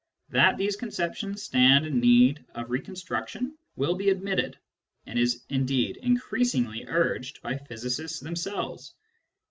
That these conceptions stand in need of reconstruction will be admitted, and is indeed increasingly urged by physicists themselves.